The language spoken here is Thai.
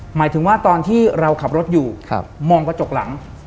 หมายถึงว่าตอนที่เราขับรถอยู่มองกระจกหลัง